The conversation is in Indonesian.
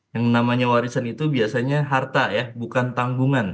yang namanya warisan itu biasanya harta ya bukan tanggungan